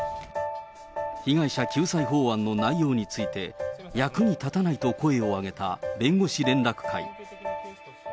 被害者救済法案の内容について、役に立たないと声を上げた、弁護士連絡会。